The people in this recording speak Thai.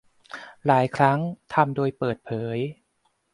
หลายครั้งทำโดยเปิดเผย